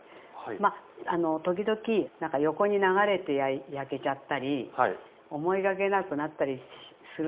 まああの時々何か横に流れて焼けちゃったり思いがけなくなったりするんですよ。